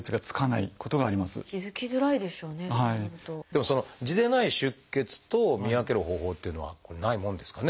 でも痔でない出血と見分ける方法っていうのはないもんですかね？